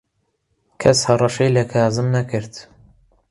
کەس هەڕەشەی لە کازم نەکرد.